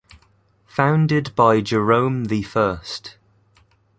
Founded by Jerome the First.